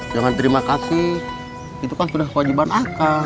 jangan terima kasih itu kan sudah wajiban akal